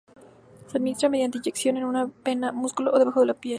Se administra mediante inyección en una vena, músculo o debajo de la piel.